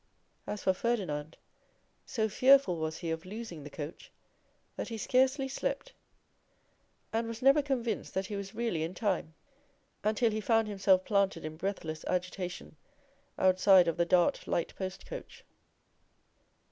As for Ferdinand, so fearful was he of losing the coach, that he scarcely slept, and was never convinced that he was really in time, until he found himself planted in breathless agitation outside of the Dart light post coach.